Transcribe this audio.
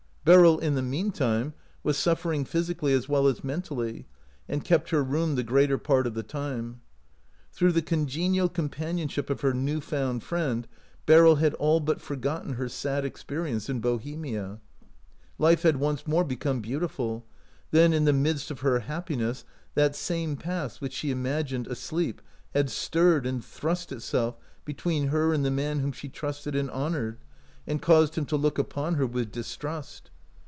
Beryl, in the mean time, was suffering physically as well as mentally, and kept her room the greater part of the time. Through the congenial companionship of her new found friend Beryl had all but forgotten her sad experience in Bohemia. Life had once more become beautiful ; then in the midst of her happiness that same past which she im agined asleep had stirred and thrust itself between her and the man whom she trusted and honored, and caused him to look upon her with distrust.